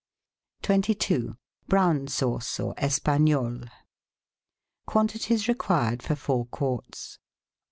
22— BROWN SAUCE OR ESPAQNOLE Quantities Required for Four Quarts.